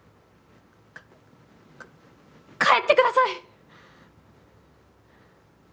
かか帰ってください！